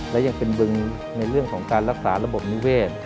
และยังเป็นบึงในเรื่องของการรักษาระบบนิเวศ